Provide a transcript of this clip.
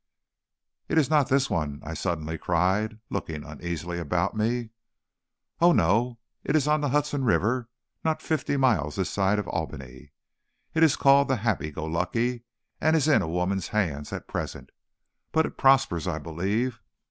"'It is not this one?' I suddenly cried, looking uneasily about me. "'Oh, no; it is on the Hudson River, not fifty miles this side of Albany. It is called the Happy Go Lucky, and is in a woman's hands at present; but it prospers, I believe.